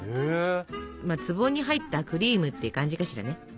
「壺に入ったクリーム」って感じかしらね。